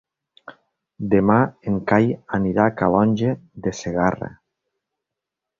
Demà en Cai anirà a Calonge de Segarra.